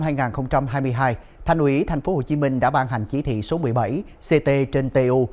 tháng tám năm hai nghìn hai mươi hai thành ủy tp hcm đã ban hành chí thị số một mươi bảy ct trên tu